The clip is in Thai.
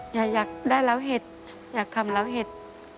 อยากได้เล้าเห็ดอยากทำเล้าเห็ด